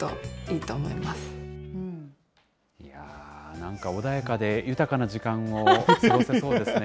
なんか穏やかで、豊かな時間を過ごせそうですね。